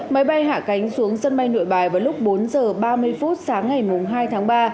máy bay hạ cánh xuống sân bay nội bài vào lúc bốn h ba mươi phút sáng ngày hai tháng ba